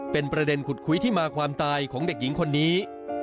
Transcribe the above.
เป็นประเด็นขุดคุยที่มาความตายของเด็กหญิงคนนี้